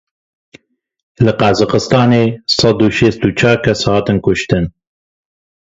Li Qazaxistanê sed û şêst û çar kes hatin kuştin.